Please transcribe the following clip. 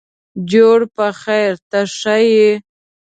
جوړ په خیرته ښه یې.